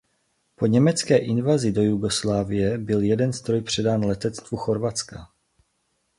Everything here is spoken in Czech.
Po německé invazi do Jugoslávie byl jeden stroj předán letectvu Chorvatska.